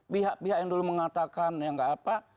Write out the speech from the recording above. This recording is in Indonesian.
pihak pihak yang dulu mengatakan ya nggak apa